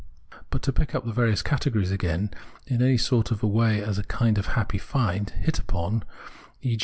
But to pick up the various categories again in any sort of way as a kind of happy find, hit upon, e.